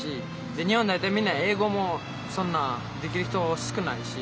日本大体みんな英語もそんなできる人少ないし。